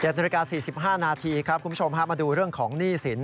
นาฬิกา๔๕นาทีครับคุณผู้ชมมาดูเรื่องของหนี้สิน